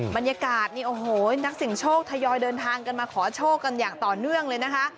บรรยากาศนี่โอ้โหนักเสียงโชคทยอยเดินทางกันมาขอโชคกันอย่างต่อเนื่องเลยนะคะ